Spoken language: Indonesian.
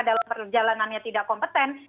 dalam perjalanannya tidak kompeten